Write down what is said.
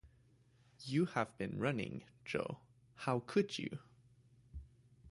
You have been running, Jo; how could you?